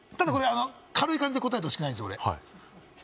軽い感じで答えてほしくないんですよ、俺。